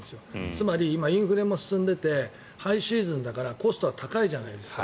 つまり今、インフレも進んでいてハイシーズンだからコストは高いじゃないですか。